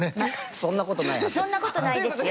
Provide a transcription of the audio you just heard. そんなことないですよ。